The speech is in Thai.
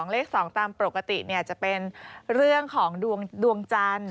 เลข๒ตามปกติจะเป็นเรื่องของดวงจันทร์